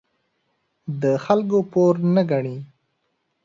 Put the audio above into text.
د خلکو پور نه ګڼي.